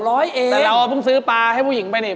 แต่เราเพิ่งซื้อปลาให้ผู้หญิงไปนี่